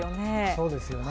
そうですよね。